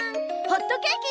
ホットケーキ。